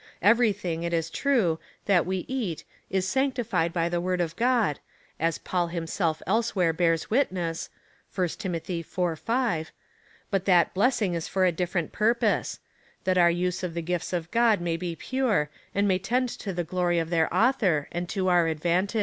Everything, it is true, that we eat is sanctified by the word of God, as Paul himself elsewhere bears witness, (1 Tim. iv. 5 ;) but that bless ing is for a diiferent purpose — that our use of the gifts of God may be pure, and may tend to the glory of their Author, and to our advantage.